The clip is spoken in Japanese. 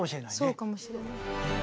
そうかもしれない。